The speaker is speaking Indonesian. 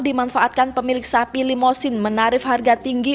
dimanfaatkan pemilik sapi limosin menarik harga tinggi